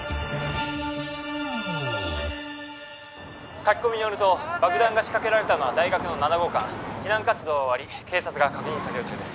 書き込みによると爆弾が仕掛けられたのは大学の７号館避難活動は終わり警察が確認作業中です